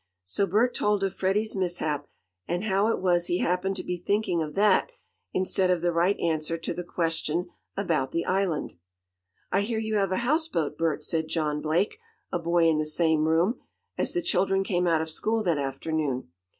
So Bert told of Freddie's mishap, and how it was he happened to be thinking of that instead of the right answer to the question about the island. "I hear you have a houseboat, Bert," said John Blake, a boy in the same room, as the children came out of school that afternoon.